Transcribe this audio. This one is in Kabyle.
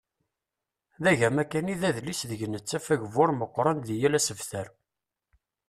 D agama kan i d adlis deg nettaf agbur meqqren di yal asebter.